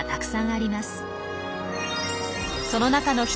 あ！